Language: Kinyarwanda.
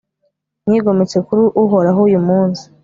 mwigometse kuri uhoraho uyu munsi